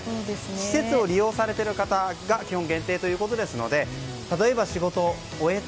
施設を利用されている方が限定ということなので仕事を終えた